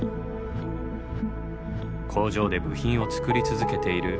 工場で部品を作り続けている国立天文台。